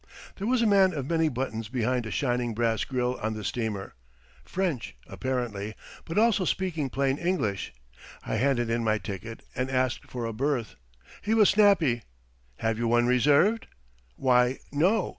There was a man of many buttons behind a shining brass grill on the steamer French, apparently, but also speaking plain English. I handed in my ticket and asked for a berth. He was snappy. "Have you one reserved?" "Why, no.